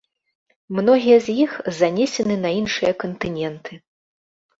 Многія з іх занесены на іншыя кантыненты.